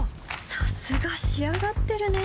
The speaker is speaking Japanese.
さすが仕上がってるね